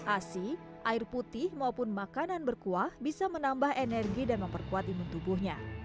asi air putih maupun makanan berkuah bisa menambah energi dan memperkuat imun tubuhnya